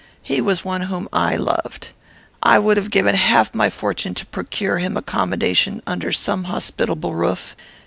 He was one whom I loved. I would have given half my fortune to procure him accommodation under some hospitable roof.